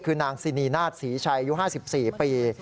คือนางซินีนาธษ์ศรีชัยอยู่๕๔ปี